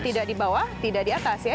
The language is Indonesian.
tidak di bawah tidak di atas ya